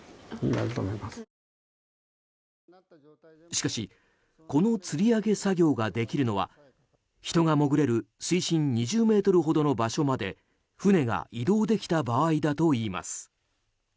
しかしこのつり上げ作業ができるのは人が潜れる水深２０ｍほどの場所まで船が移動できた場合だといいます。